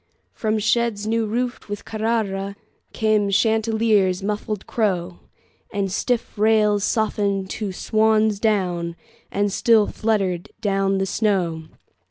From sheds new roofed with CarraraCame Chanticleer's muffled crow, The stiff rails softened to swan's down, And still fluttered down the snow.